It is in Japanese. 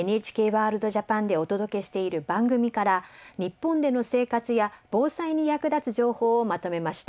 「ＮＨＫワールドＪＡＰＡＮ」でお届けしている番組から日本での生活や防災に役立つ情報をまとめました。